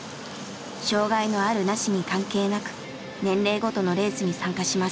障害のあるなしに関係なく年齢ごとのレースに参加します。